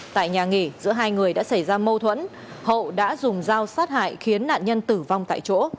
tại nhà nghỉ giữa hai người đã xảy ra mâu thuẫn hậu đã dùng dao sát hại khiến nạn nhân tử vong tại chỗ